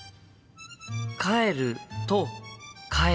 「帰る」と「帰る」。